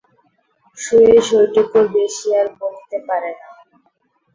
সুরেশ ওইটুকুর বেশি আর বলিতে পারে না।